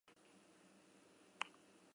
Gaurko egunean, eguraldia aurka izango dute.